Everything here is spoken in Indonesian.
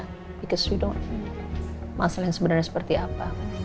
karena kita tidak tahu masalah yang sebenarnya seperti apa